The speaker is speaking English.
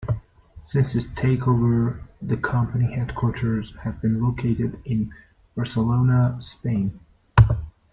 Since this takeover, the company headquarters have been located in Barcelona, Spain.